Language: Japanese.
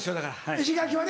石垣はね。